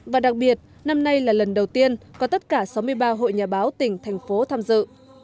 và đặc biệt năm nay là lần đầu tiên có tất cả sáu mươi ba hội nhà báo tỉnh thành phố tham dự